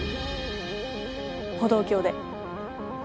歩道橋で。